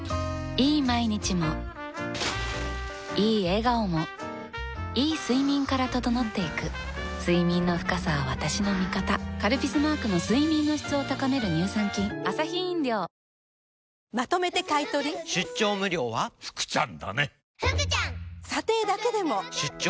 いい毎日もいい笑顔もいい睡眠から整っていく睡眠の深さは私の味方「カルピス」マークの睡眠の質を高める乳酸菌グランドストーリー「グランドメゾン」